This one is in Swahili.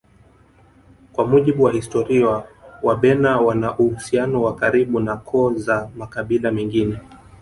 Kwa mujibu wa historia wabena wana uhusiano wa karibu na koo za makabila mengine